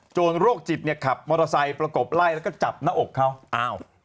โรคจิตเนี่ยขับมอเตอร์ไซค์ประกบไล่แล้วก็จับหน้าอกเขาอ้าว